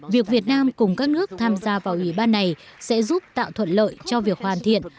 việc việt nam cùng các nước tham gia vào ủy ban này sẽ giúp tạo thuận lợi cho việc hoàn thiện